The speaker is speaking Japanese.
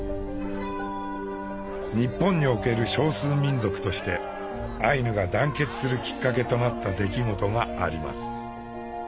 日本における少数民族としてアイヌが団結するきっかけとなった出来事があります。